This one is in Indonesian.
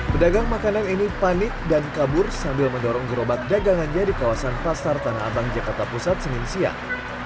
pedagang makanan ini panik dan kabur sambil mendorong gerobak dagangannya di kawasan pasar tanah abang jakarta pusat senin siang